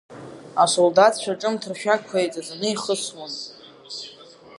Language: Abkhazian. Асолдаҭцәа ҿымҭ ршәақьқәа еиҵаҵаны ихысуан.